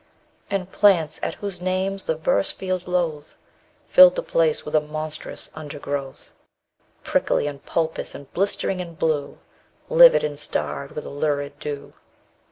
And plants, at whose names the verse feels loath, Filled the place with a monstrous undergrowth, Prickly, and pulpous, and blistering, and blue, _60 Livid, and starred with a lurid dew.